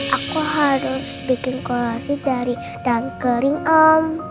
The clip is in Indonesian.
aku harus bikin kolasi dari daun kering om